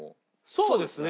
そうですね